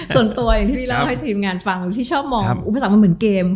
ส่วนตัวอย่างที่พี่เล่าให้ทีมงานฟังพี่ชอบมองอุปสรรคมันเหมือนเกม